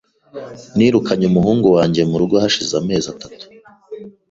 Nirukanye umuhungu wanjye mu rugo hashize amezi atatu .